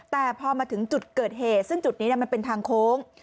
แต่พอมาถึงจุดเกิดเหตุซึ่งจุดนี้มันเป็นทางโค้ง